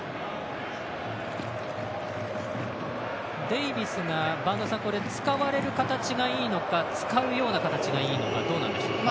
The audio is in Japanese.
デイビスが、播戸さん使われる形がいいのか使うような形がいいのかどうなんでしょうか？